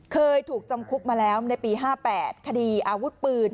เคยถูกจำคุกมาแล้วในปี๕๘คดีอาวุธปืน